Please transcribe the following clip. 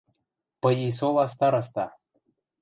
– Пыйисола староста.